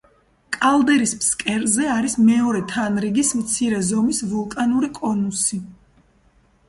კალდერის ფსკერზე არის მეორე თანრიგის მცირე ზომის ვულკანური კონუსი.